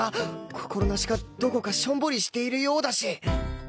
心なしかどこかしょんぼりしているようだし